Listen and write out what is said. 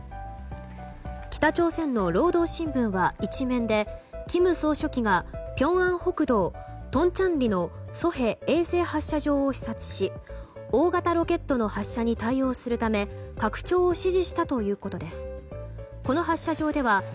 北朝鮮の労働新聞は１面で金総書記がピョンアン北道トンチャンリのソヘ衛星発射場を視察し大型ロケットの発射に対応するため拡張を指示したということです。